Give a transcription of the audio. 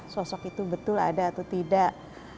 sosok itu betul ada atau tidak